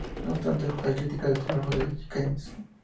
No obstante hay críticas al trabajo de Keys.